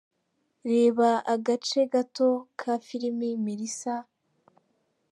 Reba agace gato ka filimi Melissa:.